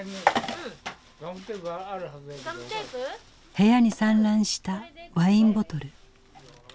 部屋に散乱したワインボトル。